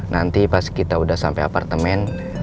nanti pas kita udah sampai apartemen